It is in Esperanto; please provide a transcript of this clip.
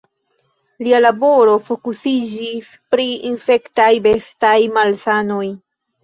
Lia laboro fokusiĝis pri infektaj bestaj malsanoj.